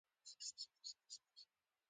هغه د رحمن بابا شعر د خپل حال ژبه ګڼي